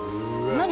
何？